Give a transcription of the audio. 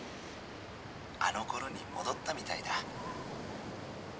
あのころに戻ったみたいだ。